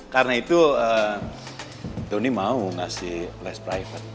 karena itu donny mau ngasih les private